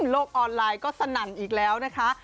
โลกออนไลน์ก็สนั่นอีกแล้วนะคะ